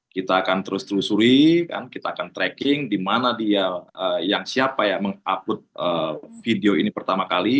kita akan terus telusuri kita akan tracking di mana dia yang siapa yang mengupload video ini pertama kali